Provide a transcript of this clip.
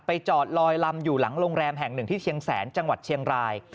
จอดลอยลำอยู่หลังโรงแรมแห่งหนึ่งที่เชียงแสนจังหวัดเชียงราย